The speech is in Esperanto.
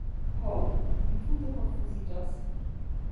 ho, mi tute konfuziĝas!